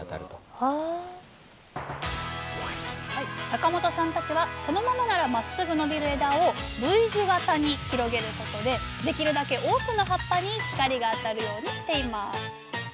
坂本さんたちはそのままならまっすぐ伸びる枝をＶ字型に広げることでできるだけ多くの葉っぱに光が当たるようにしています。